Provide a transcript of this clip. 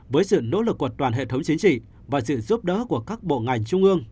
với sự nỗ lực của toàn hệ thống chính trị và sự giúp đỡ của các bộ ngành trung ương